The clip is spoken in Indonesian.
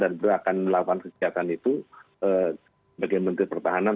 dan dia akan melakukan kegiatan itu bagi menteri pertahanan